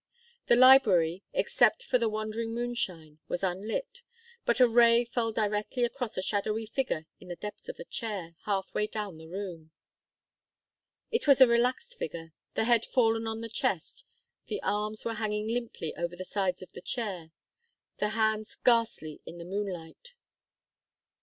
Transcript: The library, except for the wandering moonshine, was unlit, but a ray fell directly across a shadowy figure in the depths of a chair, half way down the room. It was a relaxed figure, the head fallen on the chest; the arms were hanging limply over the sides of the chair, the hands ghastly in the moonlight.